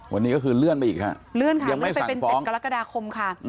วันนี้ก็คือเลื่อนไปอีกค่ะเลื่อนค่ะเลื่อนไปเป็น๗กรกฎาคมค่ะ